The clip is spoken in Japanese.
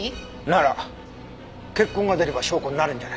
なら血痕が出れば証拠になるんじゃない？